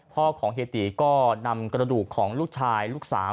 พ่อของเฮียตีก็นำกระดูกของลูกชายลูกสาว